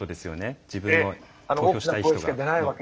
自分の投票したい人が。